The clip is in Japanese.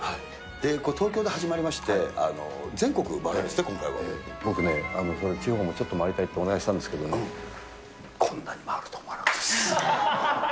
東京で始まりまして、全国回僕ね、地方もちょっと回りたいってお願いしたんですけれども、こんなに回るとは思わなかったです。